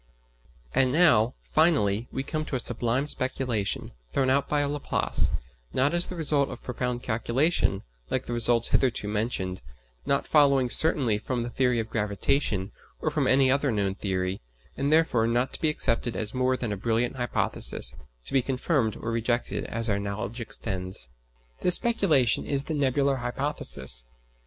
And now, finally, we come to a sublime speculation, thrown out by Laplace, not as the result of profound calculation, like the results hitherto mentioned, not following certainly from the theory of gravitation, or from any other known theory, and therefore not to be accepted as more than a brilliant hypothesis, to be confirmed or rejected as our knowledge extends. This speculation is the "Nebular hypothesis."